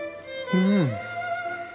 うん！